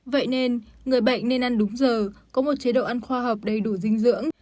vậy nên người bệnh nên ăn đúng giờ có một chế độ ăn khoa học đầy đủ dinh dưỡng